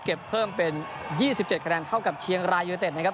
เพิ่มเป็น๒๗คะแนนเท่ากับเชียงรายยูนิเต็ดนะครับ